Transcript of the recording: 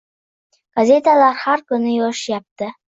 gazetalar har kun yozishyapti